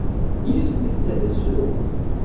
Yal nnehta d asefru.